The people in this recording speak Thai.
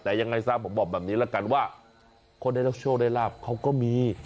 แต่ยังไงซะผมบอกแบบนี้ละกันว่าคนได้รับโชคได้ลาบเขาก็มี